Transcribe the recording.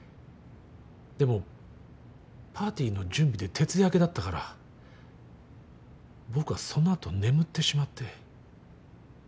でもパーティーの準備で徹夜明けだったから僕はその後眠ってしまって。